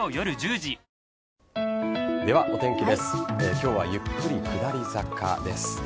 今日はゆっくり下り坂です。